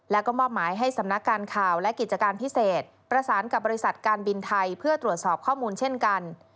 แล้วก็มอบหมายให้สำนักการข่าวและกิจการพิเศษประสานกับบริษัทการบินไทยเพื่อตรวจสอบข้อมูลเช่นกัน